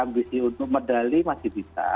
yang pasti sih berambisi untuk medali masih bisa